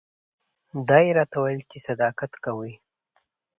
دا یې راته وویل چې ته صداقت کوې.